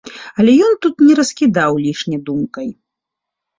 Але ён тут не раскідаў лішне думкай.